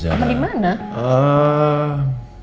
zara temen dimana